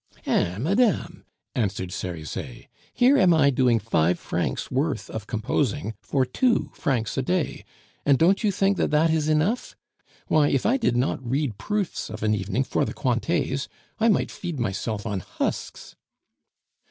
"Eh! madame," answered Cerizet. "Here am I doing five francs' worth of composing for two francs a day, and don't you think that that is enough? Why, if I did not read proofs of an evening for the Cointets, I might feed myself on husks."